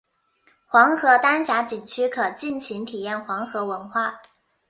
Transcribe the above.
黄河丹霞景区可尽情体验黄河文化。